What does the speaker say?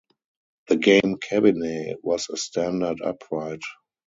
The game cabinet was a standard upright.